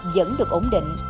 vẫn được ổn định